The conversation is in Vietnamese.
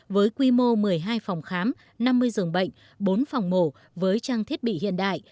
với quy mô một mươi hai phòng khám năm mươi giường bệnh bốn phòng mổ với trang thiết bị hiện đại